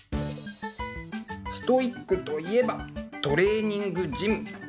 ストイックと言えばトレーニングジム。